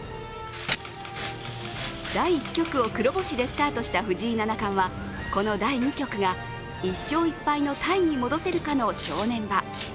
第１局を黒星でスタートした藤井七冠はこの第２局が１勝１敗のタイに戻せるかの正念場。